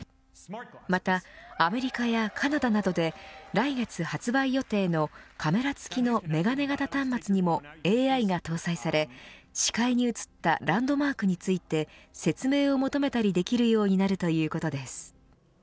また、アメリカやカナダなどで来月発売予定のカメラ付きの眼鏡型端末にもＡＩが搭載され、視界に映ったランドマークについて説明を求めたりできるようになるということです。